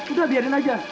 udah biarin aja